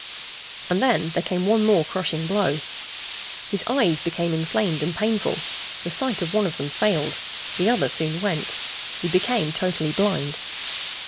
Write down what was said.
And then there came one more crushing blow. His eyes became inflamed and painful the sight of one of them failed, the other soon went; he became totally blind.